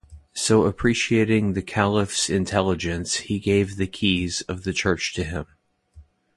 So appreciating the caliph's intelligence he gave the keys of the church to him.